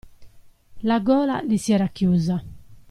La gola gli si era chiusa.